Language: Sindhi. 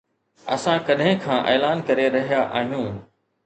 اسان ڪڏهن کان اعلان ڪري رهيا آهيون